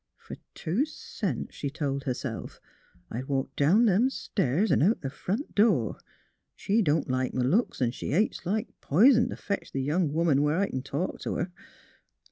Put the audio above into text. '' Fer two cents," she told herself, "I'd walk down them stairs 'n' out th' front door. She don't like m' looks, 'n' she hates like p'ison t' fetch the young woman where I c'n talk t' her.